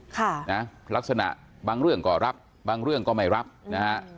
ค่ะนะลักษณะบางเรื่องก็รับบางเรื่องก็ไม่รับนะฮะ